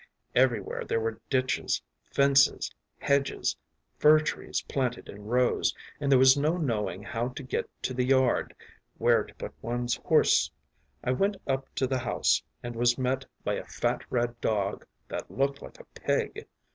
Everywhere there were ditches, fences, hedges, fir trees planted in rows, and there was no knowing how to get to the yard, where to put one’s horse. I went up to the house, and was met by a fat red dog that looked like a pig.